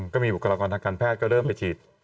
บุคลากรทางการแพทย์ก็เริ่มไปฉีด